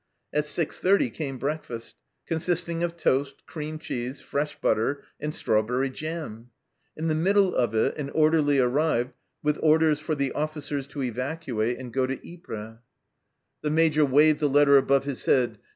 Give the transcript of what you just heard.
At 6.30 came breakfast, consisting of toast, cream cheese, fresh butter, and strawberry jam ! In the middle of it an orderly arrived with orders for the officers to evacuate and 168 THE CELLAR HOUSE OF PERVYSE go to Ypres. The Major waved the letter above his head.